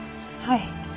はい。